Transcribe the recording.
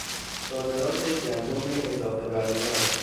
صادرات گندم اضافه برنیاز